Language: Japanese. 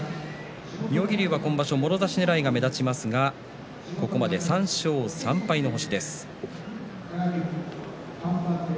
妙義龍が今場所はもろ差しねらいが目立ちますがここまで３勝３敗の星です。